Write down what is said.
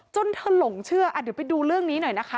เธอหลงเชื่อเดี๋ยวไปดูเรื่องนี้หน่อยนะคะ